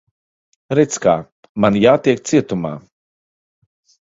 Redz, kā. Man jātiek cietumā.